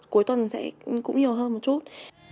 cuối tuần sẽ cũng nhiều hơn một chút